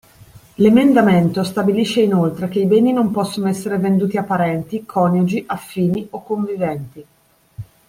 L’emendamento stabilisce inoltre che i beni non possono essere venduti a parenti, coniugi, affini o conviventi